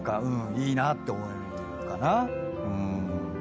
いいなって思えるかな。